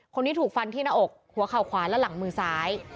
คนนี้ถูกฟันที่หน้าอกหัวเข่าขวาและหลังมือซ้าย